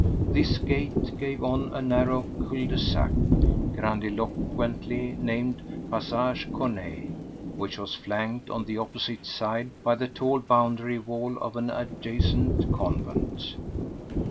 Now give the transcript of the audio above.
This gate gave on a narrow cul de sac—grandiloquently named Passage Corneille—which was flanked on the opposite side by the tall boundary wall of an adjacent convent.